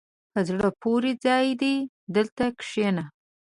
په زړه پورې ځای دی، دلته کښېنه.